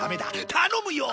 頼むよ！